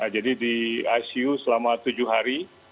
jadi di icu selama tujuh hari